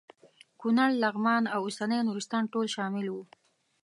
کونړ لغمان او اوسنی نورستان ټول شامل وو.